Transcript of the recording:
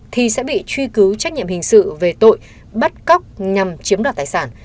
thì sẽ bị truy cứu trách nhiệm hình sự về tội bắt cóc nhằm chiếm đoạt tài sản